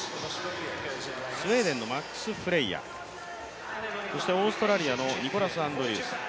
スウェーデンのマックス・フレイヤそしてオーストラリアのニコラス・アンドリュース。